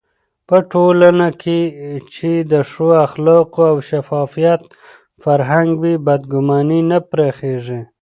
په ټولنه کې چې د ښو اخلاقو او شفافيت فرهنګ وي، بدګماني نه پراخېږي.